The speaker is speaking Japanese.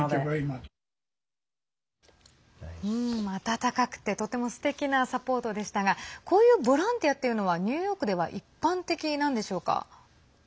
温かくて、とてもすてきなサポートでしたがこういうボランティアというのはニューヨークでは一般的なんでしょうか。